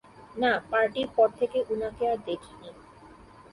না, পার্টির পর থেকে উনাকে আর দেখিনি।